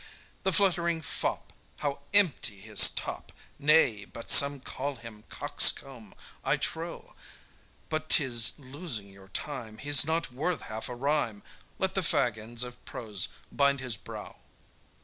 The fluttering fop, How empty his top! Nay, but some call him coxcomb, I trow; But 'tis losing your time, He's not worth half a rhyme, Let the fag ends of prose bind his brow.